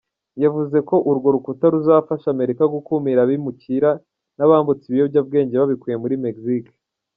Yavuze ko urwo rukuta ruzafasha Amerika gukumira abimukira n’abambutsa ibiyobyabwenge babikuye muri Mexique.